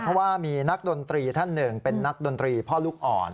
เพราะว่ามีนักดนตรีท่านหนึ่งเป็นนักดนตรีพ่อลูกอ่อน